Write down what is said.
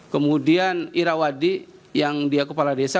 kemudian irawadi yang dia kepala desa